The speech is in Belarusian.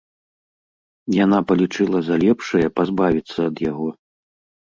Яна палічыла за лепшае пазбавіцца ад яго.